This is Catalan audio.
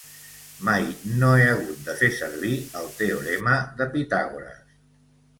Mai no he hagut de fer servir el teorema de Pitàgores.